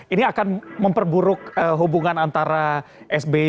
ini akan memperburuk hubungan antara sby dan pdip